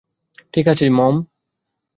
ঠিক আছে মম।